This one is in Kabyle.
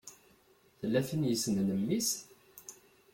Tella tin i yessnen mmi-s?